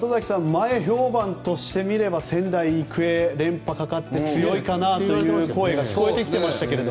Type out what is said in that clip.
前評判としてみれば仙台育英は連覇がかかって強いかなという声が聞こえてきてましたけど。